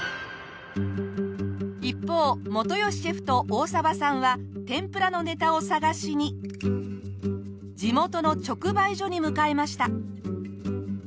一方元吉シェフと大沢さんは天ぷらのネタを探しに地元の直売所に向かいました。